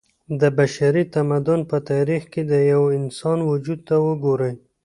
د بشري تمدن په تاريخ کې د يوه انسان وجود ته وګورئ